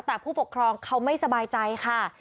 แต่ผู้ปกครองเขาไม่สบายใจค่ะ